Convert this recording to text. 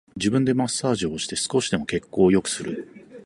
自分でマッサージをして少しでも血行を良くする